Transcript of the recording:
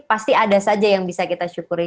pasti ada saja yang bisa kita syukuri